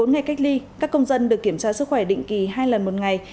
bốn ngày cách ly các công dân được kiểm tra sức khỏe định kỳ hai lần một ngày